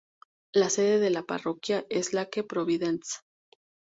La sede de la parroquia es Lake Providence.